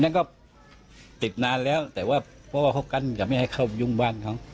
นั่นก็ติดนานแล้วแต่ว่าเพราะว่าเขากั้นจะไม่ให้เข้าไปยุ่งบ้านเขา